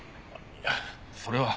いやそれは。